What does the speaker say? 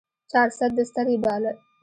چارصد بستر يې باله.